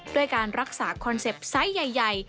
ด้วยการรักษาคอนเซ็ปต์ไซส์ใหญ่